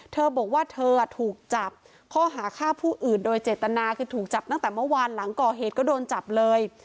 เธอบอกว่าเธอถูกจับข้อหาฆ่าผู้อื่นโดยเจตนาคือถูกจับตั้งแต่เมื่อวานหลังก่อเหตุก็โดนจับเลย